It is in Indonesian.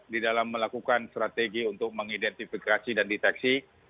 di dalam melakukan strategi untuk mengidentifikasi dan deteksi